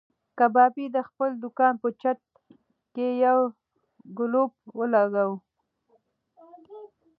کبابي د خپل دوکان په چت کې یو ګلوب ولګاوه.